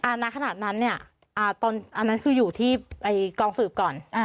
อ่าณขนาดนั้นเนี่ยอ่าตอนอันนั้นคืออยู่ที่กองสืบก่อนอ่า